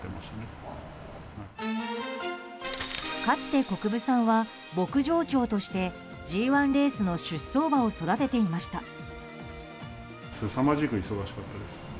かつて国分さんは牧場長としてＧ１レースの出走馬を育てていました。